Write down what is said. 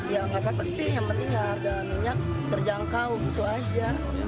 ya enggak terpaksa yang penting harga minyak terjangkau gitu aja